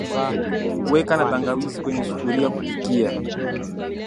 weka na tangawizi kwenye sufuria kupikia